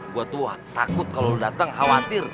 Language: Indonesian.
gua tuh takut kalo lu dateng khawatir